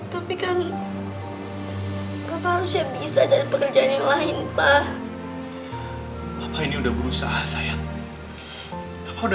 tapi kan papa harusnya bisa jadi pekerjaan yang lain papa ini udah berusaha sayang udah